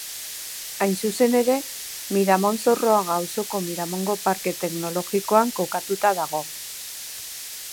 Hain zuzen ere, Miramon-Zorroaga auzoko Miramongo Parke Teknologikoan kokatua dado.